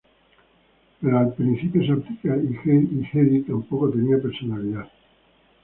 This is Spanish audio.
Pero el principio se aplica, y Hedy tampoco tenía personalidad.